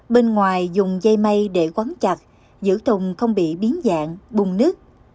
bên ngoài dùng dây mây để quắn chặt giữ thùng không bị biến dạng bùng nứt